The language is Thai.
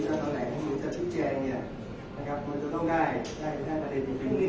แต่ว่าไม่มีปรากฏว่าถ้าเกิดคนให้ยาที่๓๑